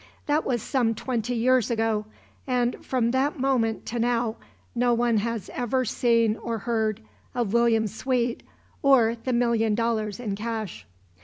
That was some twenty years ago and from that moment to now no one has ever seen or heard of William Sweet or the million dollars in cash.